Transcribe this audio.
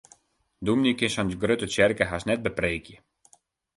Dominy kin sa'n grutte tsjerke hast net bepreekje.